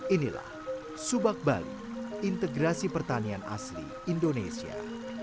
inilah subak bali integrasi pertanian asli indonesia